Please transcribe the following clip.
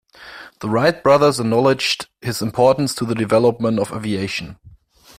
The Wright brothers acknowledged his importance to the development of aviation.